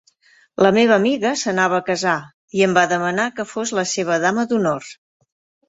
La meva amiga s'anava a casar i em va demanar que fos la seva dama d'honor.